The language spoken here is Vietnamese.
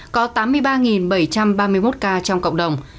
có tám mươi ba bảy trăm ba mươi một ca trong cộng đồng